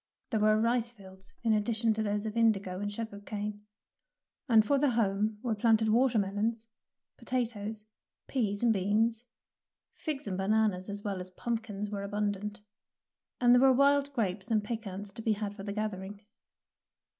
There were rice fields in addition to those of indigo and sugar cane, and for the home were planted watermelons, potatoes, peas, and beans; figs and bananas as well as pumpkins were abundant, and there were wild grapes and pecans to be had for the gathering.